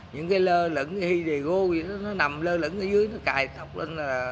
những cái lơ lửng cái hì đề gô gì đó nó nằm lơ lửng ở dưới nó cài thọc lên